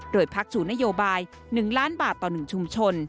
โดยพักสู่นโยบาย๑ล้านบาทต่อ๑ชุมชน